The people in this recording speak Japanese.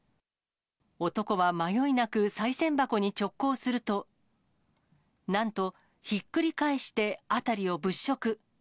男は迷いなく、さい銭箱に直行すると、なんと、ひっくり返して辺りを物色。